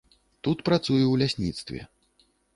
Тут працую ў лясніцтве.